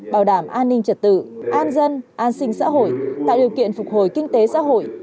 bảo đảm an ninh trật tự an dân an sinh xã hội tạo điều kiện phục hồi kinh tế xã hội